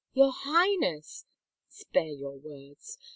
Your Highness !"" Spare your words.